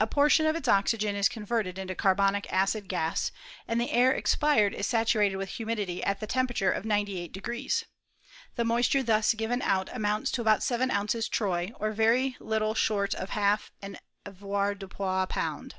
A portion of its oxygen is converted into carbonic acid gas, and the air ex pired is saturated with humidity at the temperature of 98o. The moisture thus given out amounts to about seven ounces troy, or very little short of half an avoirdupois pound.